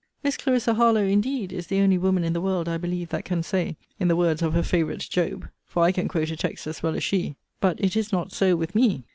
Miss Clarisa Harlowe, indeed, is the only woman in the world I believe that can say, in the words of her favourite Job, (for I can quote a text as well as she,) But it is not so with me.